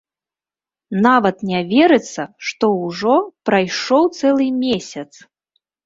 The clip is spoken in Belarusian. Нават не верыцца, што ўжо прайшоў цэлы месяц!